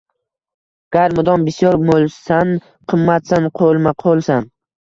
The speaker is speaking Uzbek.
Gar mudom bisyor moʼlsan, qimmatsan – qoʼlma-qoʼlsan